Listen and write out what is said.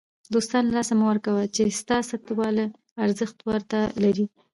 دوستان له لاسه مه ورکوئ! چي ستا سته والى ارزښت ور ته لري.